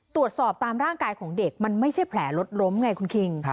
ตามร่างกายของเด็กมันไม่ใช่แผลรถล้มไงคุณคิง